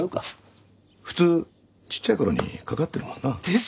普通ちっちゃいころにかかってるもんな。ですよ。